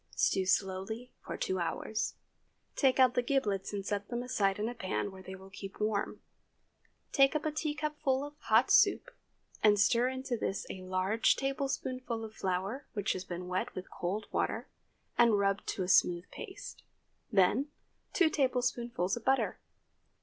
Stew slowly for two hours. Take out the giblets and set them aside in a pan where they will keep warm. Take up a teacupful of the hot soup and stir into this a large tablespoonful of flour which has been wet with cold water and rubbed to a smooth paste; then, two tablespoonfuls of butter.